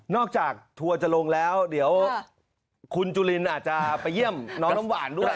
จากทัวร์จะลงแล้วเดี๋ยวคุณจุลินอาจจะไปเยี่ยมน้องน้ำหวานด้วย